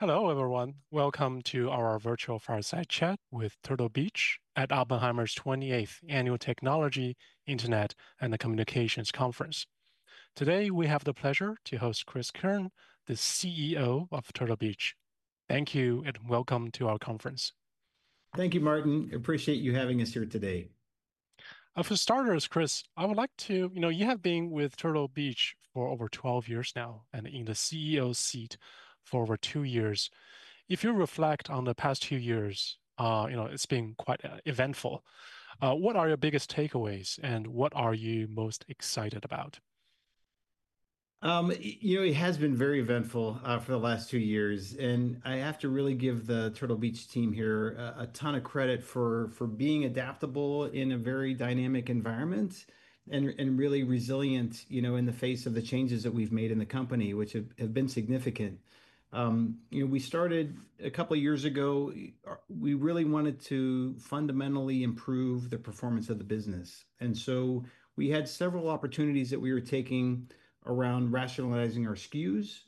Hello, everyone. Welcome to our virtual fireside chat with Turtle Beach at Oppenheimer's 28th Annual Technology, Internet, and Communications Conference. Today, we have the pleasure to host Cris Keirn, the CEO of Turtle Beach. Thank you and welcome to our conference. Thank you, Martin. Appreciate you having us here today. For starters, Cris, I would like to, you have been with Turtle Beach for over 12 years now and in the CEO seat for over two years. If you reflect on the past two years, it's been quite eventful. What are your biggest takeaways and what are you most excited about? It has been very eventful for the last two years. I have to really give the Turtle Beach team here a ton of credit for being adaptable in a very dynamic environment and really resilient in the face of the changes that we've made in the company, which have been significant. We started a couple of years ago. We really wanted to fundamentally improve the performance of the business. We had several opportunities that we were taking around rationalizing our SKUs,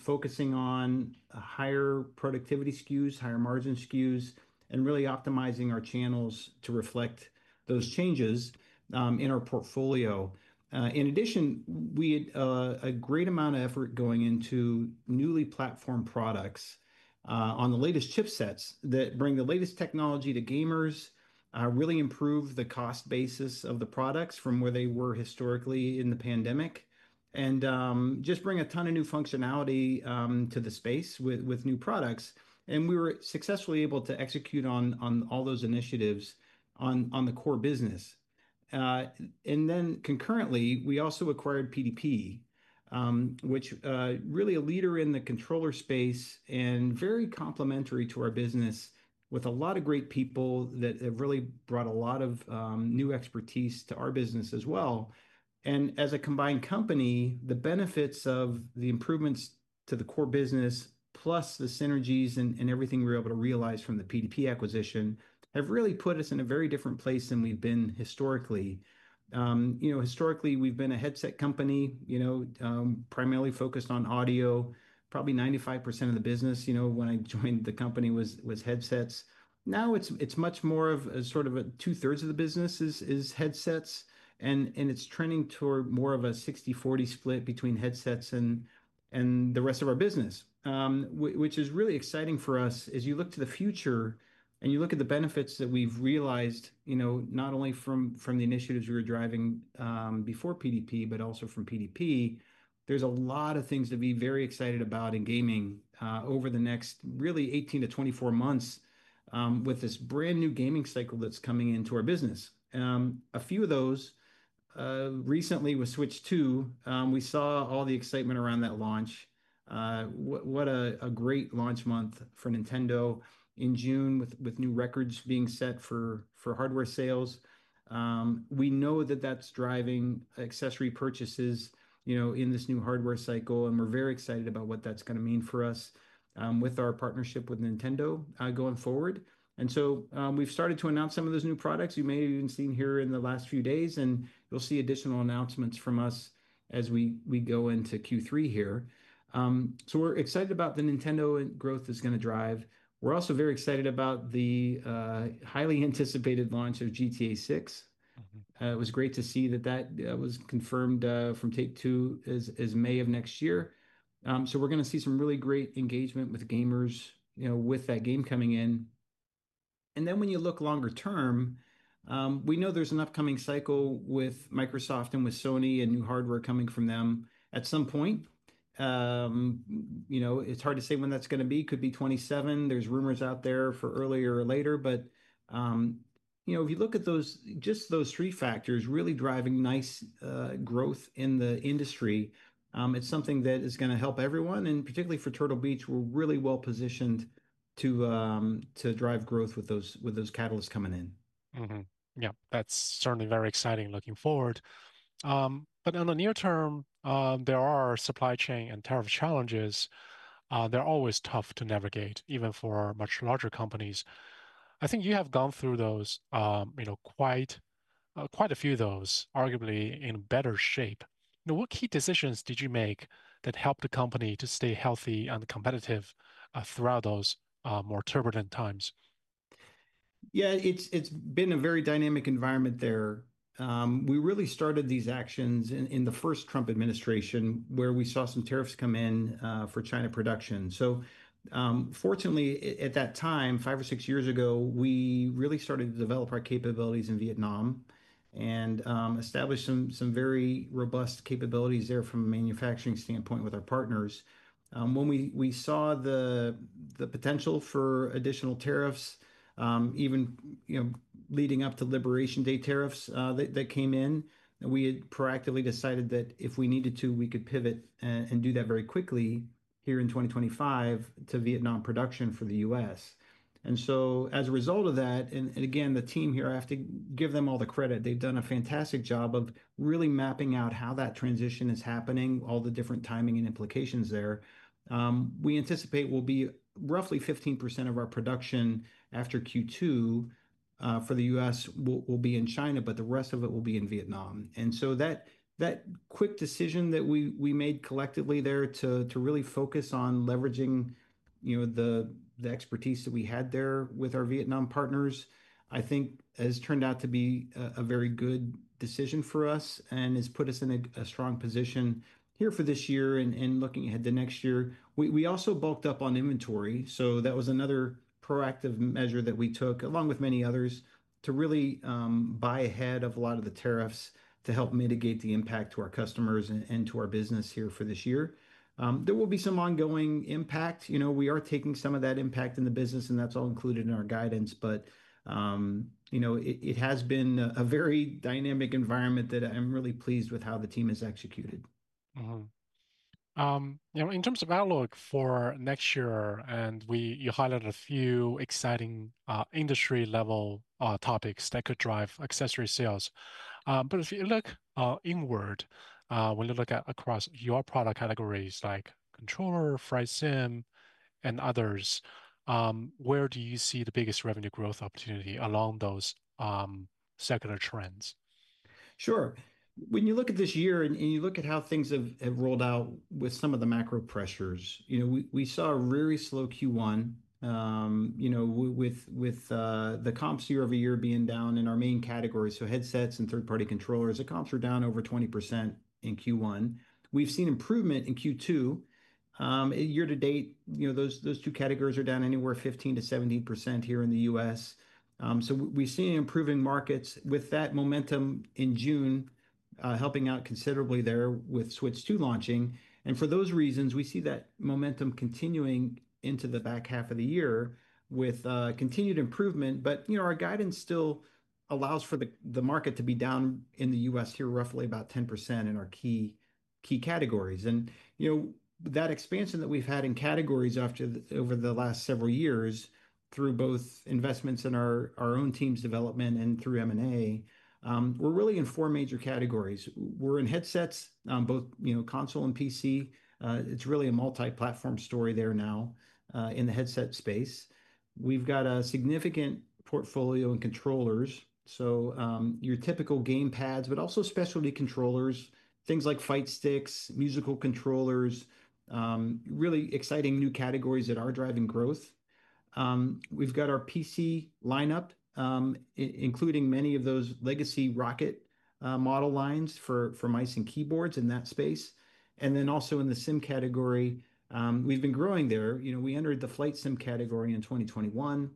focusing on higher productivity SKUs, higher margin SKUs, and really optimizing our channels to reflect those changes in our portfolio. In addition, we had a great amount of effort going into newly platformed products on the latest chipsets that bring the latest technology to gamers, really improve the cost basis of the products from where they were historically in the pandemic, and just bring a ton of new functionality to the space with new products. We were successfully able to execute on all those initiatives on the core business. Concurrently, we also acquired PDP, which is really a leader in the controller space and very complementary to our business, with a lot of great people that have really brought a lot of new expertise to our business as well. As a combined company, the benefits of the improvements to the core business, plus the synergies and everything we were able to realize from the PDP acquisition, have really put us in a very different place than we've been historically. Historically, we've been a headset company, primarily focused on audio. Probably 95% of the business when I joined the company was headsets. Now it's much more of a sort of 2/3 of the business is headsets, and it's trending toward more of a 60/40 split between headsets and the rest of our business, which is really exciting for us. As you look to the future and you look at the benefits that we've realized, not only from the initiatives we were driving before PDP, but also from PDP, there's a lot of things to be very excited about in gaming over the next really 18 - 24 months with this brand new gaming cycle that's coming into our business. A few of those recently were Switch 2. We saw all the excitement around that launch. What a great launch month for Nintendo in June, with new records being set for hardware sales. We know that that's driving accessory purchases in this new hardware cycle. We're very excited about what that's going to mean for us with our partnership with Nintendo going forward. We've started to announce some of those new products you may have even seen here in the last few days. You'll see additional announcements from us as we go into Q3 here. We're excited about the Nintendo growth that's going to drive. We're also very excited about the highly anticipated launch of Grand Theft Auto VI. It was great to see that that was confirmed from Take-Two as May of next year. We're going to see some really great engagement with gamers with that game coming in. When you look longer term, we know there's an upcoming cycle with Microsoft and with Sony and new hardware coming from them at some point. It's hard to say when that's going to be. It could be 2027. There are rumors out there for earlier or later. If you look at those, just those three factors really driving nice growth in the industry, it's something that is going to help everyone. Particularly for Turtle Beach, we're really well positioned to drive growth with those catalysts coming in. Yeah, that's certainly very exciting looking forward. In the near term, there are supply chain and tariff challenges. They're always tough to navigate, even for much larger companies. I think you have gone through those, you know, quite a few of those, arguably in better shape. What key decisions did you make that helped the company to stay healthy and competitive throughout those more turbulent times? Yeah, it's been a very dynamic environment there. We really started these actions in the first Trump administration where we saw some tariffs come in for China production. Fortunately, at that time, five or six years ago, we really started to develop our capabilities in Vietnam and established some very robust capabilities there from a manufacturing standpoint with our partners. When we saw the potential for additional tariffs, even leading up to Liberation Day tariffs that came in, we had proactively decided that if we needed to, we could pivot and do that very quickly here in 2025 to Vietnam production for the U.S. As a result of that, and again, the team here, I have to give them all the credit. They've done a fantastic job of really mapping out how that transition is happening, all the different timing and implications there. We anticipate we'll be roughly 15% of our production after Q2 for the U.S. will be in China, but the rest of it will be in Vietnam. That quick decision that we made collectively there to really focus on leveraging the expertise that we had there with our Vietnam partners, I think has turned out to be a very good decision for us and has put us in a strong position here for this year and looking ahead to next year. We also bulked up on inventory. That was another proactive measure that we took, along with many others, to really buy ahead of a lot of the tariffs to help mitigate the impact to our customers and to our business here for this year. There will be some ongoing impact. We are taking some of that impact in the business, and that's all included in our guidance. It has been a very dynamic environment that I'm really pleased with how the team has executed. In terms of our look for next year, you highlighted a few exciting industry-level topics that could drive accessory sales. If you look inward, when you look across your product categories like controller, flight sim, and others, where do you see the biggest revenue growth opportunity along those secular trends? Sure. When you look at this year and you look at how things have rolled out with some of the macro pressures, we saw a really slow Q1, with the comps year over year being down in our main category. So headsets and third-party controllers, the comps were down over 20% in Q1. We've seen improvement in Q2. Year to date, those two categories are down anywhere 15% - 17% here in the U.S. We've seen improving markets with that momentum in June helping out considerably there with Nintendo Switch 2 launching. For those reasons, we see that momentum continuing into the back half of the year with continued improvement. Our guidance still allows for the market to be down in the U.S. here roughly about 10% in our key categories. That expansion that we've had in categories over the last several years through both investments in our own team's development and through M&A, we're really in four major categories. We're in headsets, both console and PC. It's really a multi-platform story there now in the headset space. We've got a significant portfolio in controllers, so your typical gamepads, but also specialty controllers, things like fight sticks, musical controllers, really exciting new categories that are driving growth. We've got our PC lineup, including many of those legacy Roccat model lines for mice and keyboards in that space. Also in the sim category, we've been growing there. We entered the flight sim category in 2021.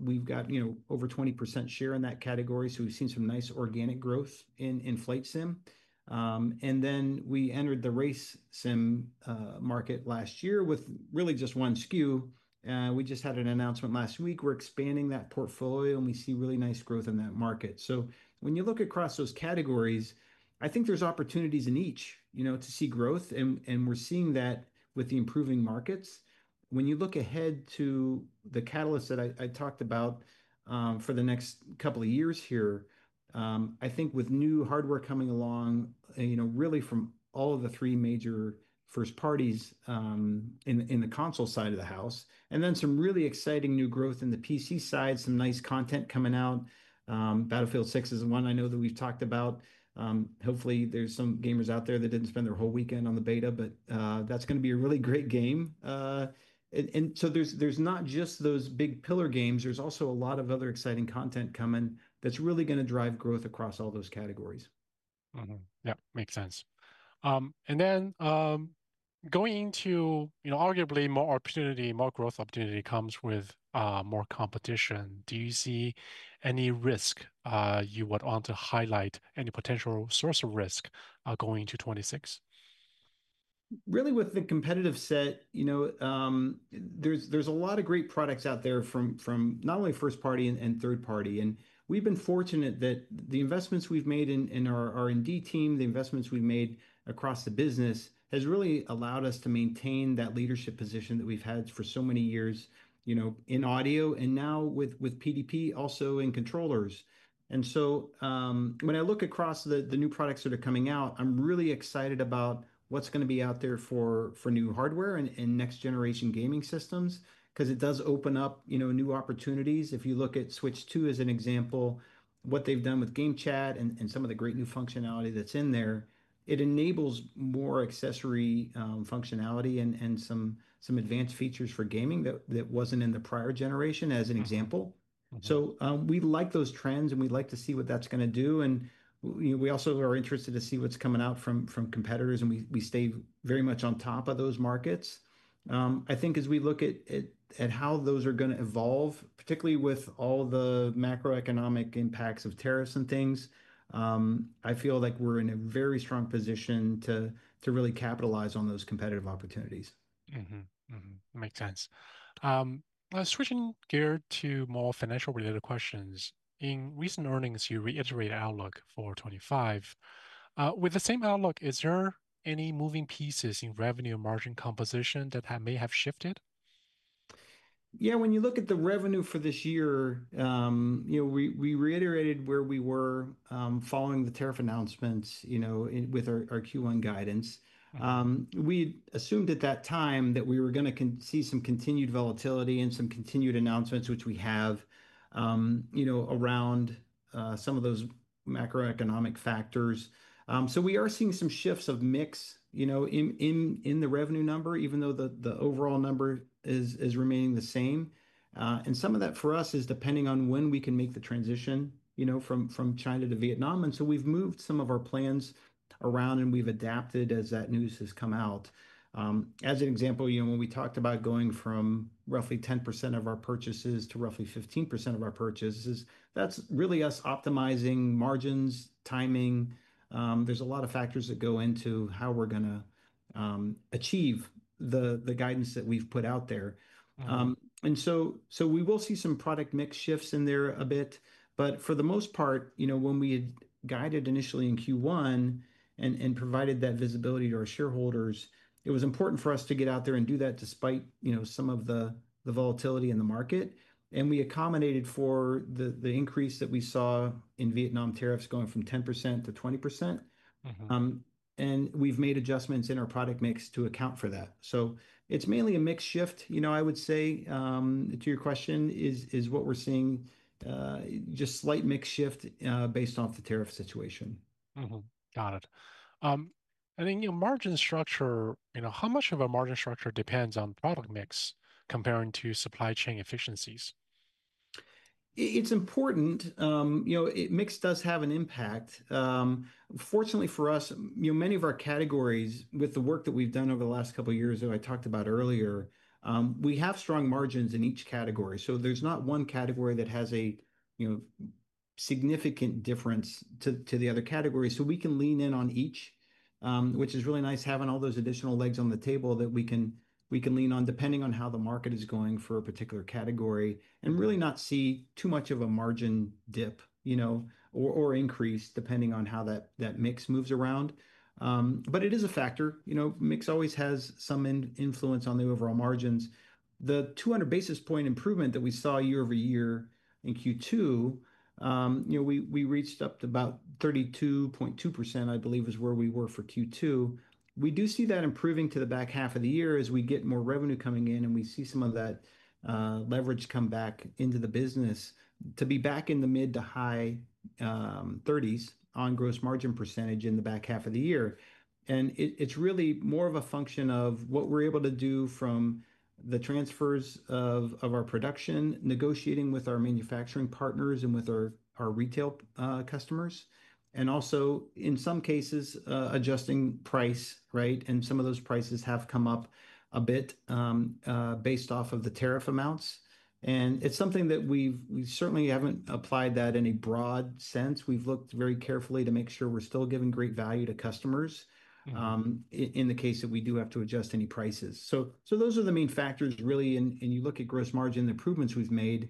We've got over 20% share in that category. We've seen some nice organic growth in flight sim. We entered the race sim market last year with really just one SKU. We just had an announcement last week. We're expanding that portfolio and we see really nice growth in that market. When you look across those categories, I think there's opportunities in each to see growth. We're seeing that with the improving markets. When you look ahead to the catalysts that I talked about for the next couple of years here, I think with new hardware coming along, really from all of the three major first parties in the console side of the house, and then some really exciting new growth in the PC side, some nice content coming out. Grand Theft Auto VI is one I know that we've talked about. Hopefully, there's some gamers out there that didn't spend their whole weekend on the beta, but that's going to be a really great game. There's not just those big pillar games. There's also a lot of other exciting content coming that's really going to drive growth across all those categories. Yeah, makes sense. Going into, you know, arguably more opportunity, more growth opportunity comes with more competition. Do you see any risk you would want to highlight, any potential source of risk going into 2026? Really, with the competitive set, there's a lot of great products out there from not only first party and third party. We've been fortunate that the investments we've made in our R&D team, the investments we've made across the business, have really allowed us to maintain that leadership position that we've had for so many years in audio and now with PDP also in controllers. When I look across the new products that are coming out, I'm really excited about what's going to be out there for new hardware and next-generation gaming systems, because it does open up new opportunities. If you look at Nintendo Switch 2 as an example, what they've done with Game Chat and some of the great new functionality that's in there, it enables more accessory functionality and some advanced features for gaming that wasn't in the prior generation as an example. We like those trends and we'd like to see what that's going to do. We also are interested to see what's coming out from competitors and we stay very much on top of those markets. I think as we look at how those are going to evolve, particularly with all the macroeconomic impacts of tariffs and things, I feel like we're in a very strong position to really capitalize on those competitive opportunities. Makes sense. Switching gears to more financial-related questions, in recent earnings, you reiterated outlook for 2025. With the same outlook, is there any moving pieces in revenue and margin composition that may have shifted? Yeah, when you look at the revenue for this year, you know, we reiterated where we were following the tariff announcements, you know, with our Q1 guidance. We assumed at that time that we were going to see some continued volatility and some continued announcements, which we have, you know, around some of those macroeconomic factors. We are seeing some shifts of mix, you know, in the revenue number, even though the overall number is remaining the same. Some of that for us is depending on when we can make the transition, you know, from China to Vietnam. We have moved some of our plans around and we've adapted as that news has come out. As an example, you know, when we talked about going from roughly 10% of our purchases to roughly 15% of our purchases, that's really us optimizing margins, timing. There's a lot of factors that go into how we're going to achieve the guidance that we've put out there. We will see some product mix shifts in there a bit. For the most part, you know, when we had guided initially in Q1 and provided that visibility to our shareholders, it was important for us to get out there and do that despite, you know, some of the volatility in the market. We accommodated for the increase that we saw in Vietnam tariffs going from 10% - 20%. We've made adjustments in our product mix to account for that. It's mainly a mix shift. I would say to your question is what we're seeing, just slight mix shift based off the tariff situation. Got it. In your margin structure, you know, how much of a margin structure depends on product mix compared to supply chain efficiencies? It's important. You know, mix does have an impact. Fortunately for us, many of our categories with the work that we've done over the last couple of years that I talked about earlier, we have strong margins in each category. There's not one category that has a significant difference to the other categories. We can lean in on each, which is really nice having all those additional legs on the table that we can lean on depending on how the market is going for a particular category and really not see too much of a margin dip or increase depending on how that mix moves around. It is a factor. Mix always has some influence on the overall margins. The 200 basis point improvement that we saw year-over-year in Q2, we reached up to about 32.2%, I believe, is where we were for Q2. We do see that improving to the back half of the year as we get more revenue coming in and we see some of that leverage come back into the business to be back in the mid to high 30%s on gross margin percentage in the back half of the year. It's really more of a function of what we're able to do from the transfers of our production, negotiating with our manufacturing partners and with our retail customers, and also in some cases adjusting price, right? Some of those prices have come up a bit based off of the tariff amounts. It's something that we certainly haven't applied in a broad sense. We've looked very carefully to make sure we're still giving great value to customers in the case that we do have to adjust any prices. Those are the main factors really. You look at gross margin improvements we've made,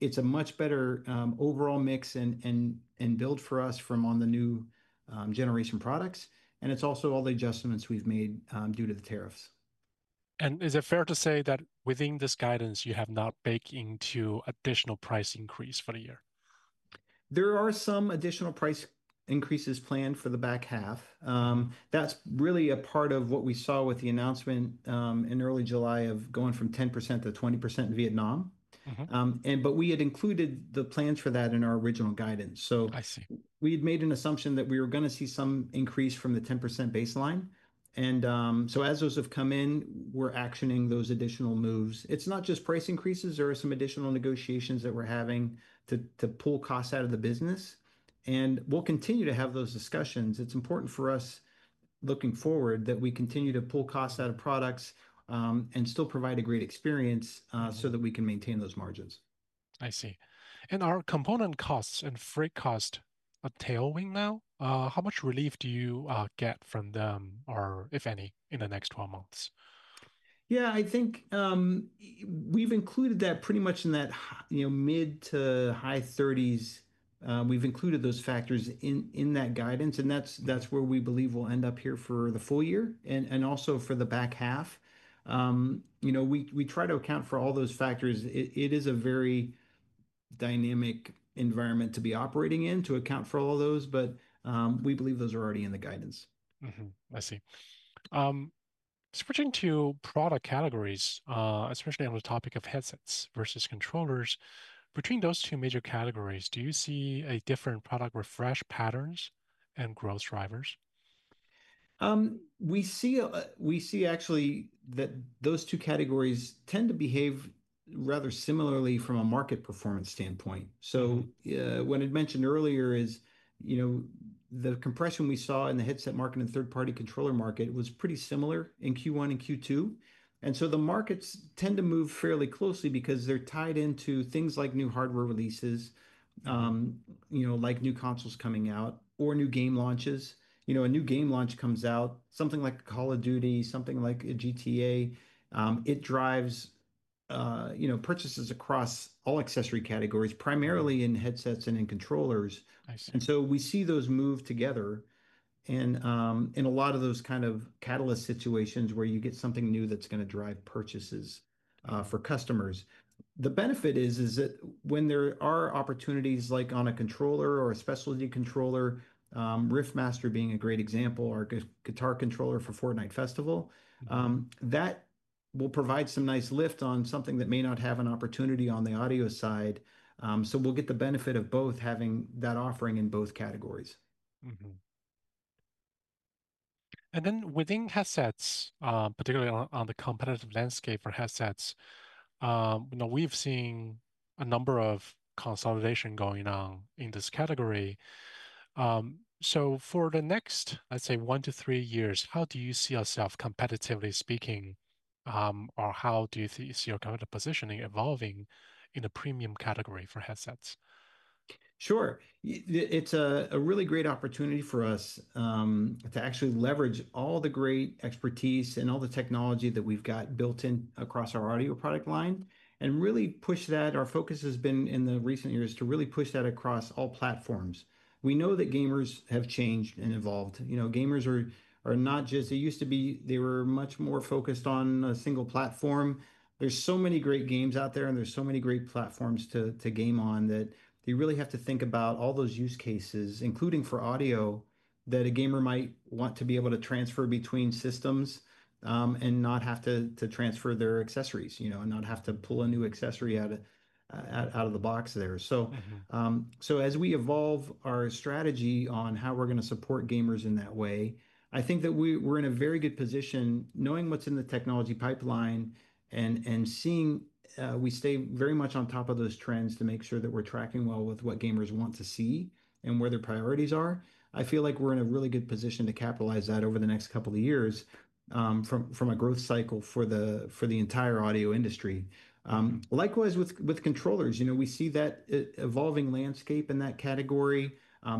it's a much better overall mix and build for us from on the new generation products. It's also all the adjustments we've made due to the tariffs. Is it fair to say that within this guidance, you have not baked in an additional price increase for the year? There are some additional price increases planned for the back half. That's really a part of what we saw with the announcement in early July of going from 10% - 20% in Vietnam. We had included the plans for that in our original guidance. We had made an assumption that we were going to see some increase from the 10% baseline. As those have come in, we're actioning those additional moves. It's not just price increases. There are some additional negotiations that we're having to pull costs out of the business, and we'll continue to have those discussions. It's important for us, looking forward, that we continue to pull costs out of products and still provide a great experience so that we can maintain those margins. I see. Are component costs and freight costs a tailwind now? How much relief do you get from them, if any, in the next 12 months? Yeah, I think we've included that pretty much in that mid to high 30%s. We've included those factors in that guidance. That's where we believe we'll end up here for the full year and also for the back half. We try to account for all those factors. It is a very dynamic environment to be operating in, to account for all those. We believe those are already in the guidance. I see. Switching to product categories, especially on the topic of headsets versus controllers, between those two major categories, do you see different product refresh patterns and growth drivers? We see actually that those two categories tend to behave rather similarly from a market performance standpoint. What I mentioned earlier is, you know, the compression we saw in the headset market and third-party controller market was pretty similar in Q1 and Q2. The markets tend to move fairly closely because they're tied into things like new hardware releases, like new consoles coming out or new game launches. A new game launch comes out, something like Call of Duty, something like Grand Theft Auto VI. It drives purchases across all accessory categories, primarily in headsets and in controllers. We see those move together in a lot of those kind of catalyst situations where you get something new that's going to drive purchases for customers. The benefit is that when there are opportunities like on a controller or a specialty controller, Riffmaster being a great example, or a guitar controller for Fortnite Festival, that will provide some nice lift on something that may not have an opportunity on the audio side. We'll get the benefit of both having that offering in both categories. Within headsets, particularly on the competitive landscape for headsets, we've seen a number of consolidation going on in this category. For the next, let's say, one to three years, how do you see yourself competitively speaking, or how do you see your competitive positioning evolving in the premium category for headsets? Sure. It's a really great opportunity for us to actually leverage all the great expertise and all the technology that we've got built in across our audio product line and really push that. Our focus has been in the recent years to really push that across all platforms. We know that gamers have changed and evolved. Gamers are not just, it used to be they were much more focused on a single platform. There are so many great games out there and there are so many great platforms to game on that you really have to think about all those use cases, including for audio, that a gamer might want to be able to transfer between systems and not have to transfer their accessories, and not have to pull a new accessory out of the box there. As we evolve our strategy on how we're going to support gamers in that way, I think that we're in a very good position knowing what's in the technology pipeline and seeing we stay very much on top of those trends to make sure that we're tracking well with what gamers want to see and where their priorities are. I feel like we're in a really good position to capitalize that over the next couple of years from a growth cycle for the entire audio industry. Likewise, with controllers, we see that evolving landscape in that category.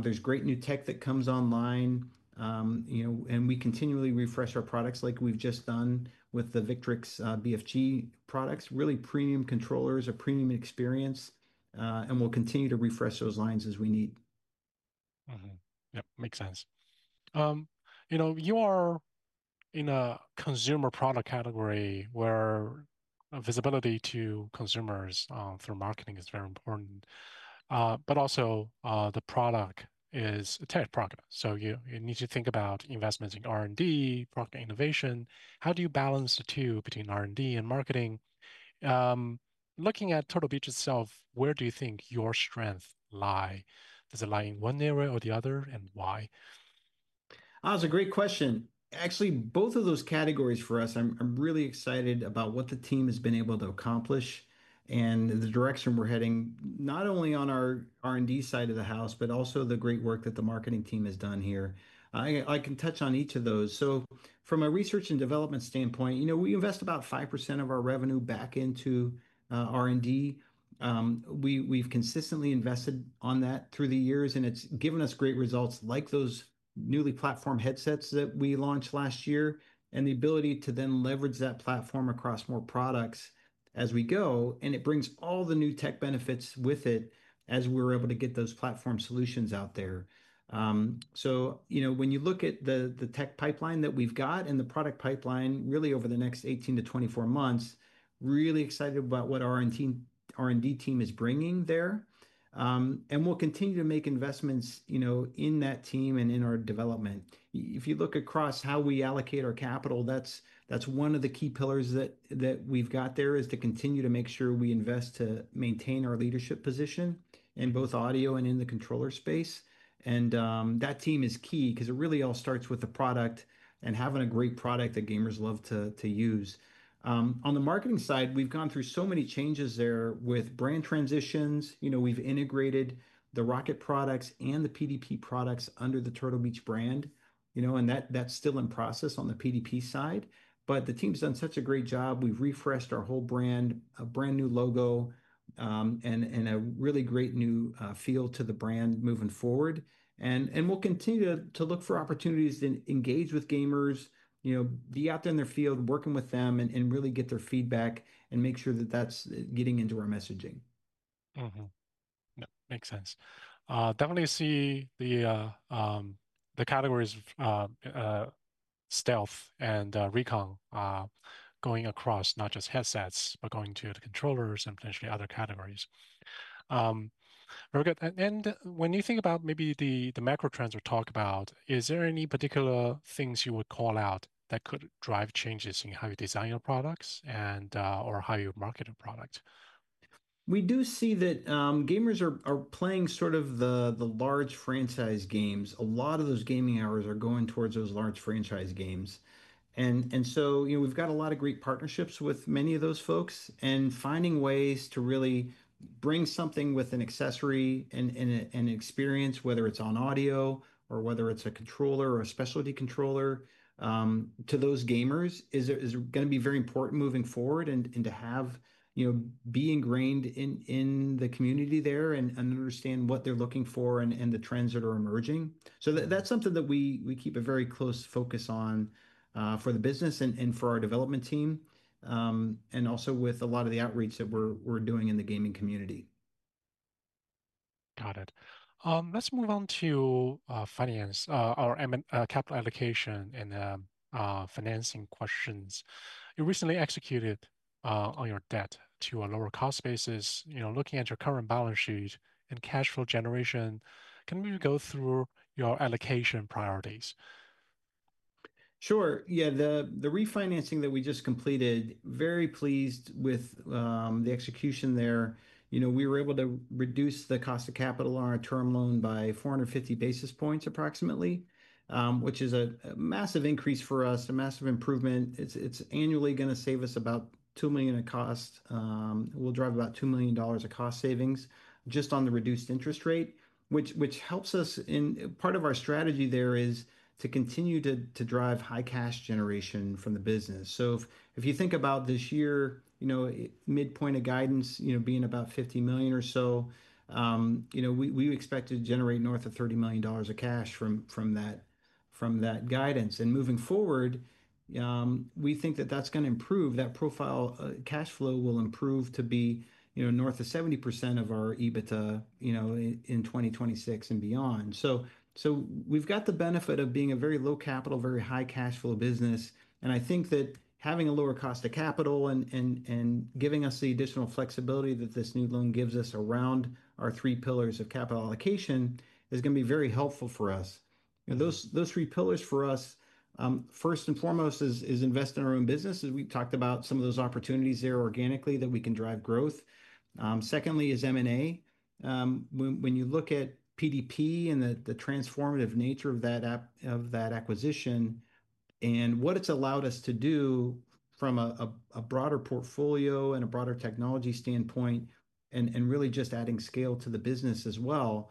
There's great new tech that comes online, and we continually refresh our products like we've just done with the Victrix BFG products. Really, premium controllers are premium experience, and we'll continue to refresh those lines as we need. Yeah, makes sense. You are in a consumer product category where visibility to consumers through marketing is very important. Also, the product is a tech product. You need to think about investments in R&D, product innovation. How do you balance the two between R&D and marketing? Looking at Turtle Beach itself, where do you think your strengths lie? Is it lying in one area or the other, and why? That's a great question. Actually, both of those categories for us, I'm really excited about what the team has been able to accomplish and the direction we're heading, not only on our R&D side of the house, but also the great work that the marketing team has done here. I can touch on each of those. From a research and development standpoint, we invest about 5% of our revenue back into R&D. We've consistently invested on that through the years, and it's given us great results like those newly platformed headsets that we launched last year and the ability to then leverage that platform across more products as we go. It brings all the new tech benefits with it as we're able to get those platform solutions out there. When you look at the tech pipeline that we've got and the product pipeline really over the next 18 - 24 months, really excited about what our R&D team is bringing there. We'll continue to make investments in that team and in our development. If you look across how we allocate our capital, that's one of the key pillars that we've got there is to continue to make sure we invest to maintain our leadership position in both audio and in the controller space. That team is key because it really all starts with the product and having a great product that gamers love to use. On the marketing side, we've gone through so many changes there with brand transitions. We've integrated the ROCCAT products and the PDP products under the Turtle Beach brand, and that's still in process on the PDP side. The team's done such a great job. We've refreshed our whole brand, a brand new logo, and a really great new feel to the brand moving forward. We'll continue to look for opportunities to engage with gamers, be out there in their field working with them and really get their feedback and make sure that that's getting into our messaging. Makes sense. Definitely see the categories of Stealth and Recon going across, not just headsets, but going to the controllers and potentially other categories. Very good. When you think about maybe the macro trends we've talked about, is there any particular things you would call out that could drive changes in how you design your products and or how you market your product? We do see that gamers are playing sort of the large franchise games. A lot of those gaming hours are going towards those large franchise games. We've got a lot of great partnerships with many of those folks and finding ways to really bring something with an accessory and an experience, whether it's on audio or whether it's a controller or a specialty controller, to those gamers is going to be very important moving forward. To have, you know, be ingrained in the community there and understand what they're looking for and the trends that are emerging, that's something that we keep a very close focus on for the business and for our development team and also with a lot of the outreach that we're doing in the gaming community. Got it. Let's move on to finance or capital allocation and financing questions. You recently executed on your debt to a lower cost basis. Looking at your current balance sheet and cash flow generation, can we go through your allocation priorities? Sure. Yeah, the refinancing that we just completed, very pleased with the execution there. We were able to reduce the cost of capital on our term loan by 450 basis points approximately, which is a massive increase for us, a massive improvement. It's annually going to save us about $2 million in cost. We'll drive about $2 million in cost savings just on the reduced interest rate, which helps us. Part of our strategy there is to continue to drive high cash generation from the business. If you think about this year, midpoint of guidance being about $50 million or so, we expect to generate north of $30 million in cash from that guidance. Moving forward, we think that that's going to improve that profile. Cash flow will improve to be north of 70% of our EBITDA in 2026 and beyond. We've got the benefit of being a very low capital, very high cash flow business. I think that having a lower cost of capital and giving us the additional flexibility that this new loan gives us around our three pillars of capital allocation is going to be very helpful for us. Those three pillars for us, first and foremost, is invest in our own business. As we've talked about some of those opportunities there organically that we can drive growth. Secondly is M&A. When you look at PDP and the transformative nature of that acquisition and what it's allowed us to do from a broader portfolio and a broader technology standpoint and really just adding scale to the business as well,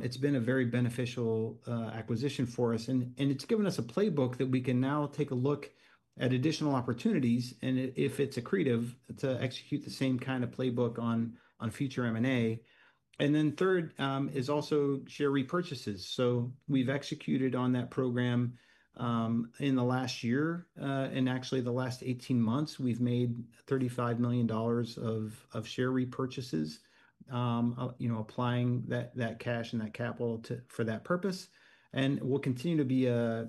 it's been a very beneficial acquisition for us. It's given us a playbook that we can now take a look at additional opportunities. If it's accretive to execute the same kind of playbook on future M&A. Third is also share repurchases. We've executed on that program in the last year. Actually, the last 18 months, we've made $35 million of share repurchases, applying that cash and that capital for that purpose. It will continue to be a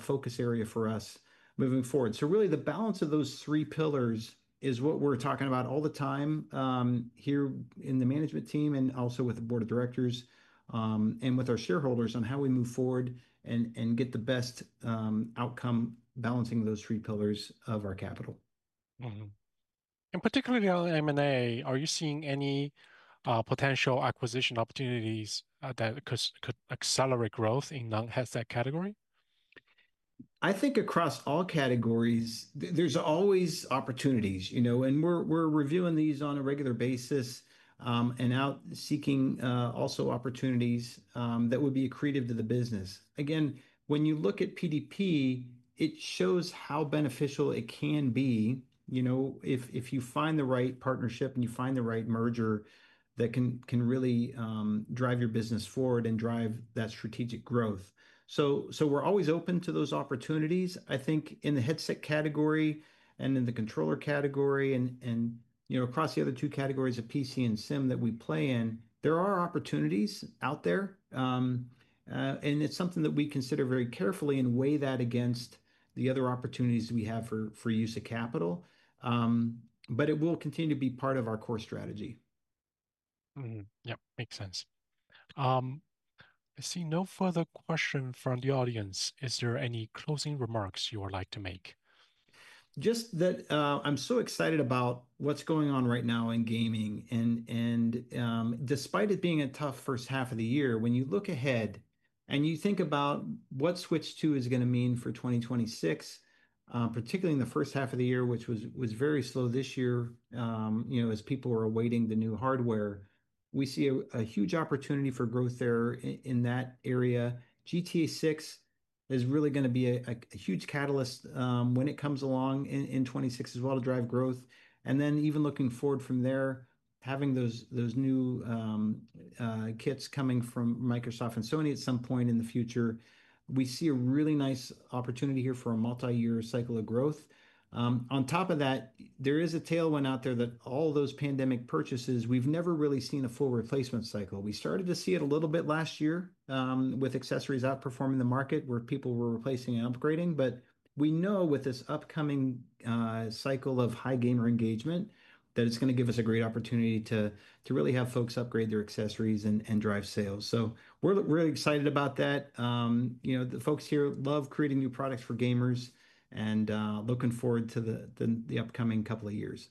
focus area for us moving forward. The balance of those three pillars is what we're talking about all the time here in the management team and also with the board of directors and with our shareholders on how we move forward and get the best outcome balancing those three pillars of our capital. Particularly on M&A, are you seeing any potential acquisition opportunities that could accelerate growth in the headset category? I think across all categories, there's always opportunities, you know, and we're reviewing these on a regular basis and out seeking also opportunities that would be accretive to the business. Again, when you look at PDP, it shows how beneficial it can be, you know, if you find the right partnership and you find the right merger that can really drive your business forward and drive that strategic growth. We're always open to those opportunities. I think in the headset category and in the controller category and, you know, across the other two categories of PC and sim that we play in, there are opportunities out there. It's something that we consider very carefully and weigh that against the other opportunities we have for use of capital. It will continue to be part of our core strategy. Yeah, makes sense. I see no further questions from the audience. Is there any closing remarks you would like to make? Just that I'm so excited about what's going on right now in gaming. Despite it being a tough first half of the year, when you look ahead and you think about what Nintendo Switch 2 is going to mean for 2026, particularly in the first half of the year, which was very slow this year, as people were awaiting the new hardware, we see a huge opportunity for growth there in that area. Grand Theft Auto VI is really going to be a huge catalyst when it comes along in 2026 as well to drive growth. Even looking forward from there, having those new kits coming from Microsoft and Sony at some point in the future, we see a really nice opportunity here for a multi-year cycle of growth. On top of that, there is a tailwind out there that all those pandemic purchases, we've never really seen a full replacement cycle. We started to see it a little bit last year with accessories outperforming the market where people were replacing and upgrading. We know with this upcoming cycle of high gamer engagement that it's going to give us a great opportunity to really have folks upgrade their accessories and drive sales. We're really excited about that. The folks here love creating new products for gamers and looking forward to the upcoming couple of years.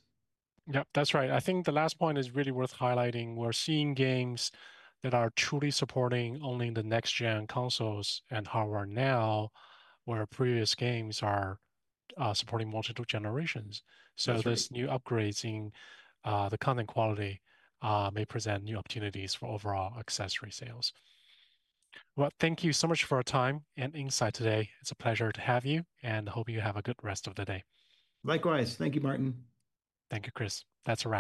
Yeah, that's right. I think the last point is really worth highlighting. We're seeing games that are truly supporting only the next-gen consoles and hardware now, where previous games are supporting multiple generations. This new upgrade in the content quality may present new opportunities for overall accessory sales. Thank you so much for your time and insight today. It's a pleasure to have you and hope you have a good rest of the day. Likewise, thank you, Martin. Thank you, Cris. That's a wrap.